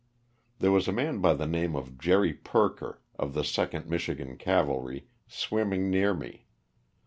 There was a man by the name of Jerry Perker, of the 2nd Michigan Cavalry, swimming near me.